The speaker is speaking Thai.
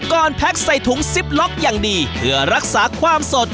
แพ็กใส่ถุงซิปล็อกอย่างดีเพื่อรักษาความสด